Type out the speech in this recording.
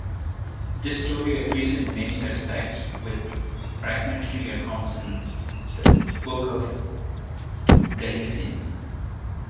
This story agrees in many respects with fragmentary accounts in "The Book of Taliesin".